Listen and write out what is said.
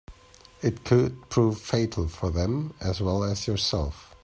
It could prove fatal for them as well as yourself.